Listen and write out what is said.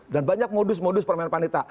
dan banyak modus modus permainan panitera